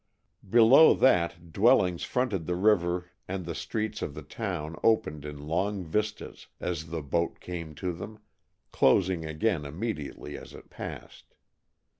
Below that, dwellings fronted the river and the streets of the town opened in long vistas as the boat came to them, closing again immediately as it passed.